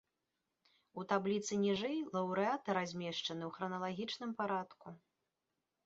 У табліцы ніжэй лаўрэаты размешчаны ў храналагічным парадку.